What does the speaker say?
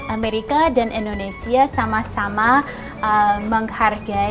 amerika dan indonesia sama sama menghargai kebebasan beragama